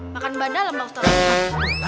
makan bahan dalem postat